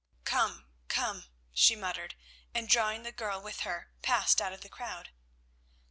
"Come, come," she muttered and, drawing the girl with her, passed out of the crowd.